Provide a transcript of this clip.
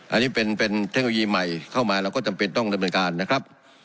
อันนี้เป็นเทคโนโลยีใหม่เข้ามาเราก็จำเป็นต้องดำเนินการนะครับ